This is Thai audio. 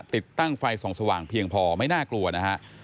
ติดตั้งไฟส่องสว่างเพียงพอไม่น่ากลัวนะฮะ